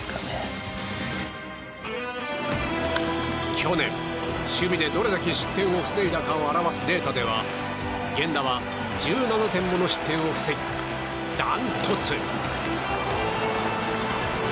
去年、守備でどれだけ失点を防いだかを表すデータでは源田は１７点もの失点を防ぎダントツ。